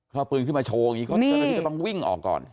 เอาปืนขึ้นมาโชว์อย่างนี้เจ้าหน้าที่ก็ต้องวิ่งออกก่อน